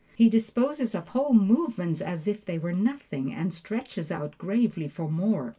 He disposes of whole movements as if they were nothing, and stretches out gravely for more!